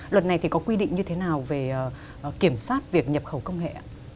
luật này thì có quy định như thế nào về kiểm soát việc nhập khẩu công nghệ ạ